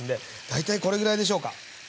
大体これぐらいでしょうか。